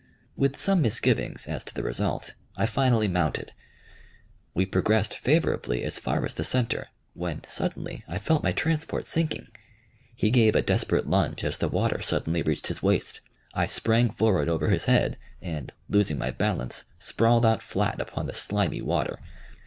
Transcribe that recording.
With some misgivings as to the result, I finally mounted. We progressed favorably as far as the centre, when suddenly I felt my transport sinking; he gave a desperate lunge as the water suddenly reached his waist, I sprang forward over his head, and losing my balance, sprawled out flat upon the slimy water.